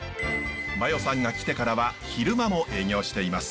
マヨさんが来てからは昼間も営業しています。